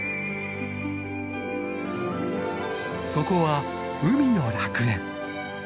そこは海の楽園。